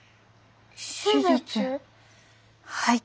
はい。